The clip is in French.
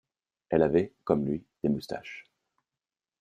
Elle avait, comme lui, des moustaches.